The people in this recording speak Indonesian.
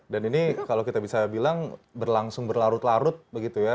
ini kalau kita bisa bilang berlangsung berlarut larut begitu ya